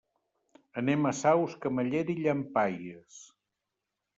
Anem a Saus, Camallera i Llampaies.